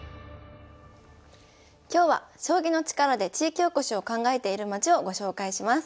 今日は将棋の力で地域おこしを考えている町をご紹介します。